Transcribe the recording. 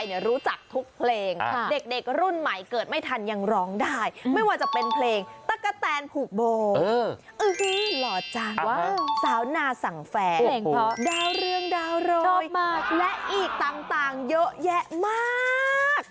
หรืออย่างร้องได้ไม่ว่าจะเป็นเพลงตะกะแตนผูบลหล่อจังสาวนาสังแฝนเดาเรื่องเดาโรยและอีกต่างเยอะแยะมาก